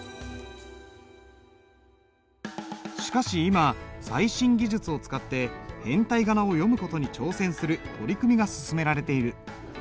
しかし今最新技術を使って変体仮名を読む事に挑戦する取り組みが進められている。